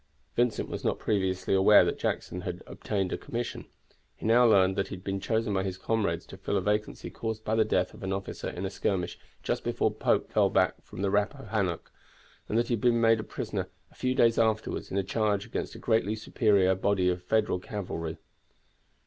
Vincent was not previously aware that Jackson had obtained a commission. He now learned that he had been chosen by his comrades to fill a vacancy caused by the death of an officer in a skirmish just before Pope fell back from the Rappahannock, and that he had been made prisoner a few days afterward in a charge against a greatly superior body of Federal cavalry.